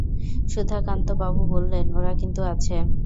সুধাকান্তবাবু বললেন, ওরা কিন্তু আছে।